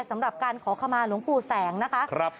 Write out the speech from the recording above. สำหรับการขอขมาหลวงปู่แสงนะคะ